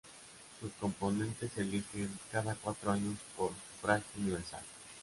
Sus componentes se eligen cada cuatro años por sufragio universal.